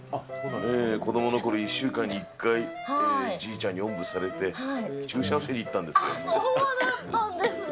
子どものころ、１週間に１回、じいちゃんにおんぶされて、そんなだったんですね。